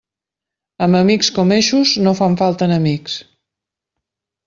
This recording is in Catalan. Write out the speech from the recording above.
Amb amics com eixos, no fan falta enemics.